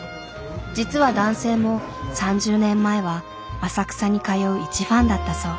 実は男性も３０年前は浅草に通ういちファンだったそう。